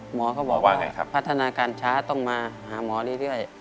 หมอเขาบอกว่าพัฒนาการช้าต้องมาหาหมอเรื่อย